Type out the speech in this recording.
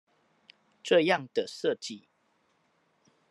這樣的設計